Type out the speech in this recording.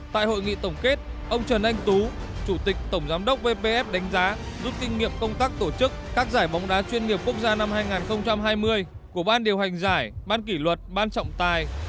tại hội nghị tổng kết ông trần anh tú chủ tịch tổng giám đốc vpf đánh giá rút kinh nghiệm công tác tổ chức các giải bóng đá chuyên nghiệp quốc gia năm hai nghìn hai mươi của ban điều hành giải ban kỷ luật ban trọng tài